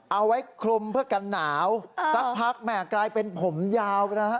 เอาไว้คลุมกันหนาวสักพักกลายเป็นผมยาว